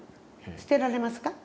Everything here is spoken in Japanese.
捨てられますか？